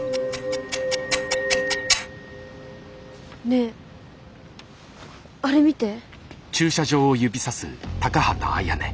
ねえあれ見て。